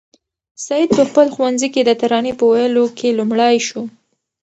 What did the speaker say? سعید په خپل ښوونځي کې د ترانې په ویلو کې لومړی شو.